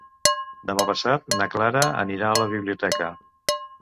Demà passat na Clara anirà a la biblioteca.